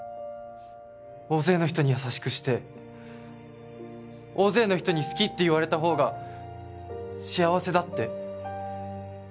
「大勢の人に優しくして大勢の人に好きって言われたほうが幸せだ」って。